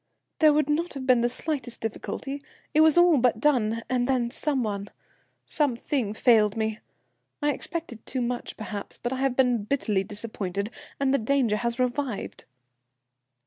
"There would not have been the slightest difficulty; it was all but done, and then some one, something, failed me. I expected too much perhaps, but I have been bitterly disappointed, and the danger has revived."